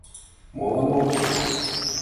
Молан ок тол?